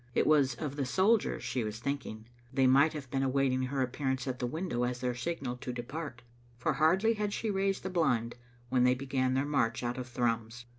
It was of the soldiers she was thinking. They might have been awaiting her appearance at the window as their signal to depart, for hardly had she raised the blind when they began their march out of Thrums.